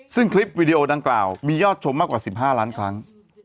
ซึ่งคลิปวิดีโอดังกล่าวมียอดชมมากกว่า๑๕ล้านครั้ง